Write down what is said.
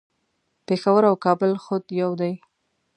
پیښور او کابل خود یو دي